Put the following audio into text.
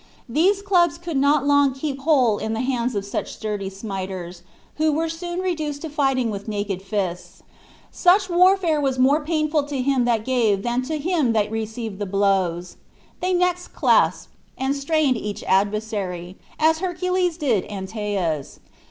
These clubs could not long keep whole in the hands of such sturdy smiters, who were soon reduced to fight with naked fists. Such warfare was more painful to him that gave than to him that received the blows. They next clasped, and strained each his adversary, as Hercules did Antaeus.